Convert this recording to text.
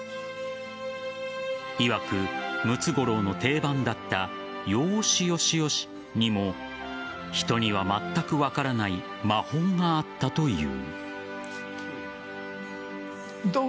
いわく、ムツゴロウの定番だったよーし、よしよしにも人にはまったく分からない魔法があったという。